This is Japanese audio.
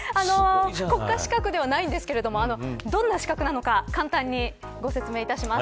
国家資格ではありませんがどんな資格なのか簡単にご説明します。